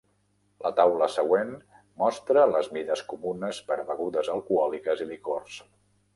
La taula següent mostra les mides comunes per a begudes alcohòliques i licors.